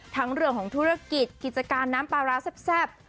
เรื่องของธุรกิจกิจการน้ำปลาร้าแซ่บ